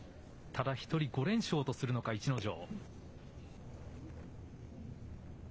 ただ一人５連勝とするのか、逸ノ城。